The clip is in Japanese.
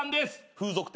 風俗店。